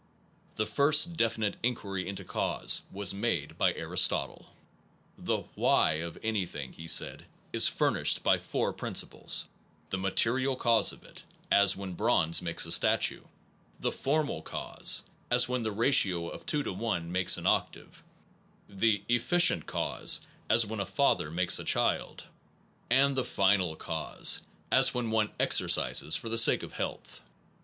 The first definite inquiry into causes was made by Aristotle. 1 The why of anything, he said, is furnished by four principles : the material cause of it (as Aristotle when bronze makes a statue); the on causa tion formal cause (as when the ratio of two to one makes an octave); the efficient cause (as when a father makes a child) and the final cause (as when one exercises for the sake of health).